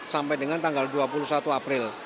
sampai dengan tanggal dua puluh satu april